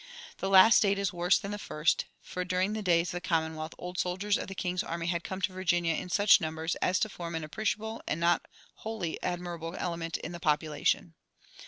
The last state is worse than the first; for during the days of the Commonwealth old soldiers of the king's army had come to Virginia in such numbers as to form an appreciable and not wholly admirable element in the population.